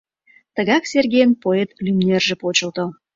Тыгак Сергейын поэт лӱмнерже почылто.